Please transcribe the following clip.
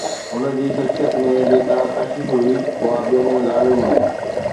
هن جي شخصيت ۾ جيڪا ڪشش هئي، اها ٻين ۾ غائب هئي